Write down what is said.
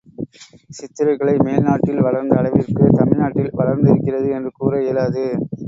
சித்திரக் கலை மேல்நாட்டில் வளர்ந்த அளவிற்குத் தமிழ்நாட்டில், வளர்ந்து இருக்கிறது என்று கூற இயலாது.